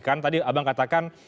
kan tadi abang katakan